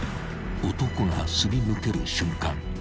［男がすり抜ける瞬間